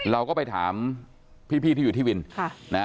เราก็ไปถามพี่ที่อยู่ที่วิน